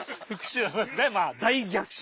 そうですねまぁ大逆襲。